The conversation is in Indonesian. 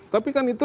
tapi kan itu